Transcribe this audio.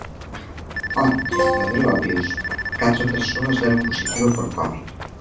Onte, no de Lobios, catro persoas deron positivo por covid.